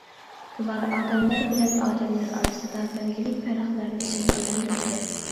بۇلار ئادەملەر بىلەن ئادەملەر ئارىسىدا بەلگىلىك پەرقلەرنى شەكىللەندۈرگەن.